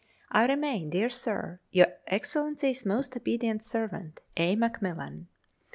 I remain, dear Sir, Your Excellency's most obedient servant, A. MCMILLAN.